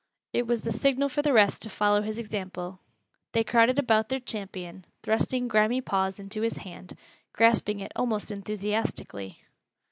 It was the signal for the rest to follow his example. They crowded about their champion, thrusting grimy paws into his hand, grasping it almost enthusiastically.